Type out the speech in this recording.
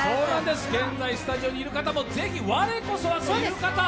現在スタジオにいる方もぜひ我こそはという方